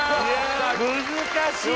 難しい！